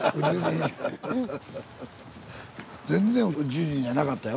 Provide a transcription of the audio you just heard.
全然宇宙人じゃなかったよ。